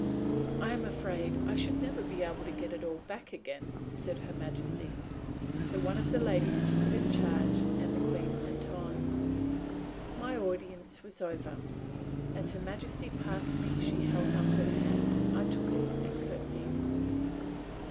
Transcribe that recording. "I am afraid I should never be able to get it all back again!" said Her Majesty. So one of the ladies took it in charge, and the Queen went on. My audience was over. As Her Majesty passed me she held out her hand. I took it and curtsied.